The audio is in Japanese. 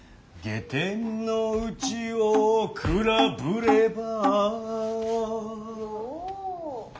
「下天のうちをくらぶれば」よ！